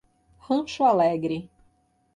Rancho Alegre